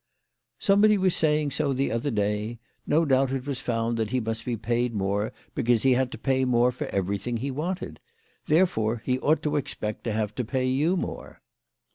" Somebody was saying so the other day. No doubt it was found that he must be paid more because he had to pay more for everything he wanted. Therefore he ought to expect to have to pay you more."